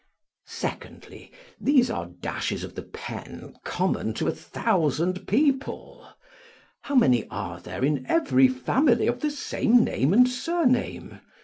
Secondly, these are dashes of the pen common to a thousand people. How many are there, in every family, of the same name and surname?